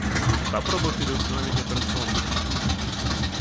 Попробуй переустановить операционку.